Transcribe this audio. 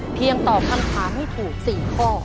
เพียงตอบคำถามให้ถูก๔ข้อ